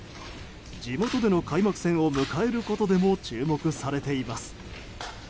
地元での開幕戦を迎えることでも注目されています。